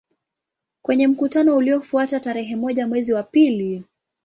Kwenye mkutano uliofuata tarehe moja mwezi wa pili